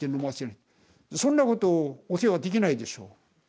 そんなことお世話できないでしょ